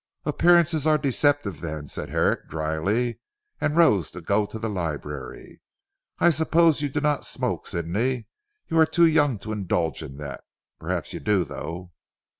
"Appearances are deceptive then," said Herrick dryly, and rose to go to the library. "I suppose you do not smoke Sidney, you are too young to indulge in that. Perhaps you do though?"